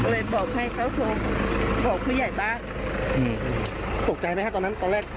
เลยบอกให้เขาโทรบอกผู้ใหญ่บ้านอืมตกใจไหมฮะตอนนั้นตอนแรก